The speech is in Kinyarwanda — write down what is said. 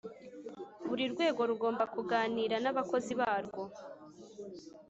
Buri rwego rugomba kuganira n’ abakozi barwo